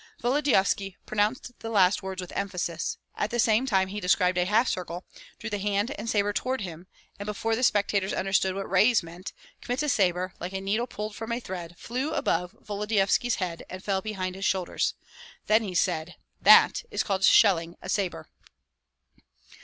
Volodyovski pronounced the last words with emphasis; at the same time he described a half circle, drew the hand and sabre toward him, and before the spectators understood what "raise" meant, Kmita's sabre, like a needle pulled from a thread, flew above Volodyovski's head and fell behind his shoulders; then he said, "That is called shelling a sabre."